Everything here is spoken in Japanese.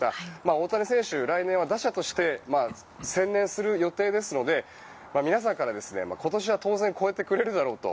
大谷選手、来年は打者として専念する予定ですので皆さんから今年は当然超えてくれるだろうと。